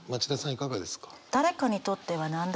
いかがですか？